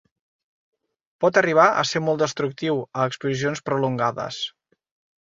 Pot arribar a ser molt destructiu a exposicions prolongades.